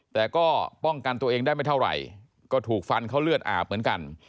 แต่ก็ป้องกันตัวเองได้ไม่เท่าไหร่ก็ถูกฟันเขาเลือดอาบเหมือนกัน